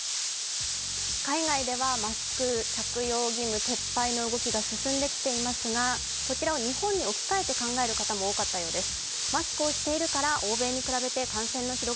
海外ではマスク着用義務撤廃の動きが進んできていますがこちらは日本に置き換えて考える人も多かったようです。